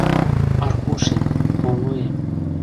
— Аркушем... колоем...